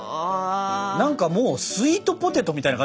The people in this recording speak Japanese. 何かもうスイートポテトみたいな感じになってるもんね。